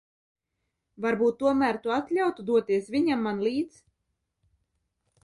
Varbūt tomēr tu atļautu doties viņam man līdz?